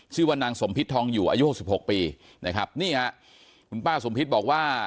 ชื่อว่านางสมพิษทองอยู่อายุหกสิบหกปีนะครับนี่ฮะคุณป้าสมพิษบอกว่า